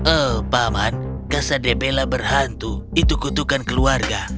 oh paman kasar debela berhantu itu kutukan keluarga